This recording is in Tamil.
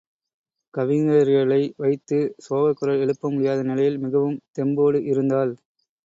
கவிஞர்களை வைத்துச் சோகக்குரல் எழுப்ப முடியாத நிலையில் மிகவும் தெம்போடு இருந்தாள்.